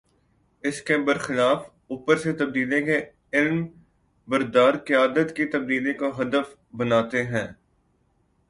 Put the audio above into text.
اس کے بر خلاف اوپر سے تبدیلی کے علم بردار قیادت کی تبدیلی کو ہدف بناتے ہیں۔